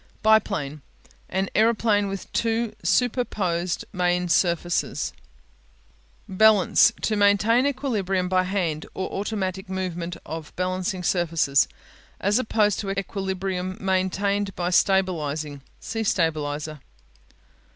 Biplane (bi'plane) An aeroplane with two superposed main surfaces. Balance To maintain equilibrium by hand or automatic movement of balancing surfaces, as opposed to equilibrium maintained by stabilizing. See "Stabilizer."